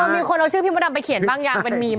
มีคนเอาชื่อพี่มดดำไปเขียนบ้างยังเป็นมีม